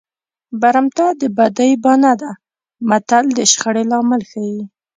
برمته د بدۍ بانه ده متل د شخړې لامل ښيي